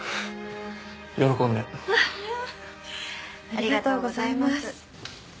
ありがとうございます。